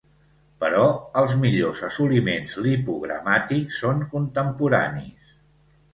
Però els millors assoliments lipogramàtics són contemporanis.